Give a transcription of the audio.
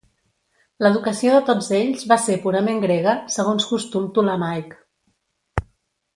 L'educació de tots ells va ser purament grega, segons costum ptolemaic.